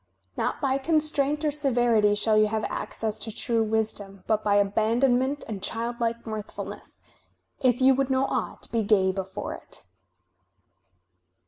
"Not by constraint or severity shall you have access to true wisdom, but by abandonment and childlike mirthfulness. If you would know aught, be gay before it."